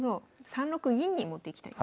３六銀に持っていきたいんですね。